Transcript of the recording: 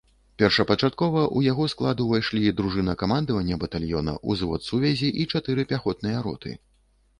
Першапачаткова ў яго склад увайшлі дружына камандавання батальёна, узвод сувязі і чатыры пяхотныя роты.